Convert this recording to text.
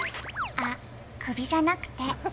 あっ、首じゃなくて。